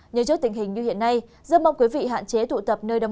như trước tình hình như hiện nay rất mong quý vị hạn chế tụ tập nơi đông